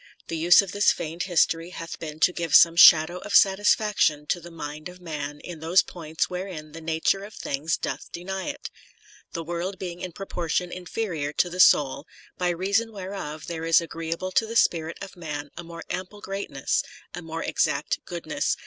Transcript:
... The use of this Feigned History hath been to give some shadow of satisfaction to the mind of man in those points wherein the nature of things doth deny it ; the world being in proportion inferior to the soul ; by reason whereof there is agreeable to the spirit of man a more ample greatness, a more exact goodness